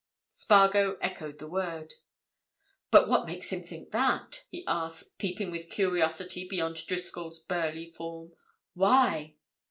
Spargo echoed the word. "But what makes him think that?" he asked, peeping with curiosity beyond Driscoll's burly form. "Why?"